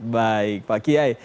baik pak kiai